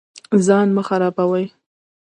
ځان مه خرابوئ